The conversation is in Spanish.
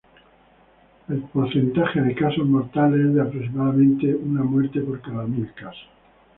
El porcentaje de casos mortales es de aproximadamente una muerte por cada mil casos.